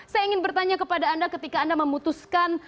saya ingin bertanya kepada anda ketika anda memutuskan